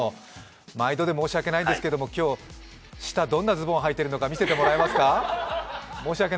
毎度で申し訳ないんですけど、今日下、どんなズボンはいてるのか見せていただけますか？